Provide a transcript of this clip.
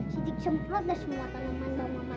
sidik semprot dah semua taneman bang mamat